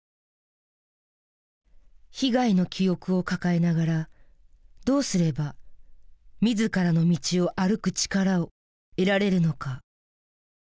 被害の記憶を抱えながらどうすれば自らの道を歩く力を得られるのか。